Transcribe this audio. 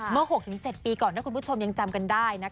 เมื่อ๖๗ปีก่อนถ้าคุณผู้ชมยังจำกันได้นะคะ